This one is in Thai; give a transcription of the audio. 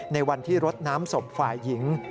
ในวันที่รดน้ำศพฝ่ายหญิง